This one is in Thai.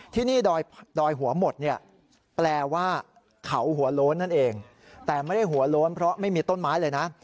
ที่นี่ดอยหัวหมดเนี่ยแปลว่าเขาหัวโล้นนั่นเองแต่ไม่ได้หัวโล้นเพราะไม่มีต้นไม้เลยนะ